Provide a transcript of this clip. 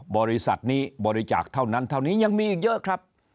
บริษัทนี้บริจาคเท่านั้นเท่านี้ยังมีอีกเยอะครับ